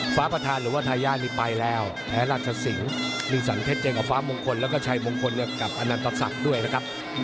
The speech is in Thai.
ฟ้าประธานหรือว่าทยานี่ไปแล้วและราชสิงศ์มีสันเพชรนี้กับฟ้ามงคลแล้วเสมงมงคลกับตัดสับด้วยนะครับ